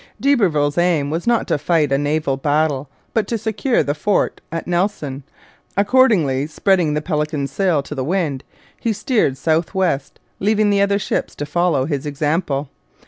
D'Iberville's aim was not to fight a naval battle but to secure the fort at Nelson. Accordingly, spreading the Pelican's sails to the wind, he steered south west, leaving the other ships to follow his example.